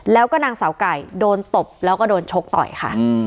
แล้วก็นางสาวไก่โดนตบแล้วก็โดนชกต่อยค่ะ